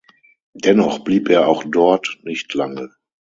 Dennoch blieb er auch dort nicht lange.